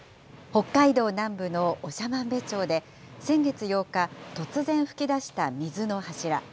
北海道南部の長万部町で先月８日、突然噴き出した水の柱。